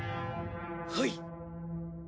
はい。